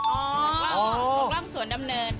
ออกร่องสวนดำเนิน